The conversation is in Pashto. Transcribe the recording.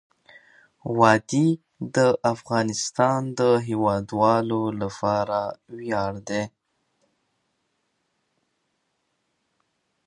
وادي د افغانستان د هیوادوالو لپاره ویاړ دی.